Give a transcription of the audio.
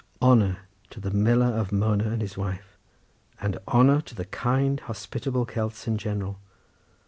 Honour to the miller of Mona and his wife; and honour to the kind hospitable Celts in general!